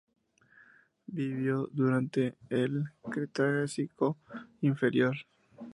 Vivió durante el Cretácico Inferior.